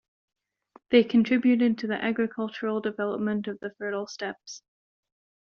They contributed to the agricultural development of the fertile steppes.